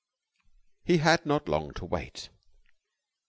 4 He had not long to wait.